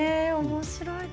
面白い。